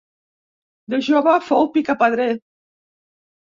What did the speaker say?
De jove fou picapedrer.